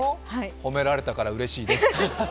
褒められたからうれしいです。